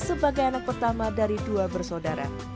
sebagai anak pertama dari dua bersaudara